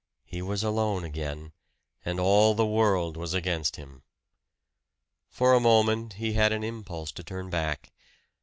He was alone again, and all the world was against him! For a moment he had an impulse to turn back.